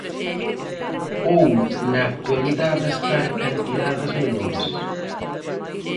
Ou na actualidade está en cantidades menores.